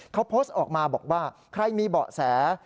เขาโพสต์ออกมาบอกว่าใครมีเบาะแส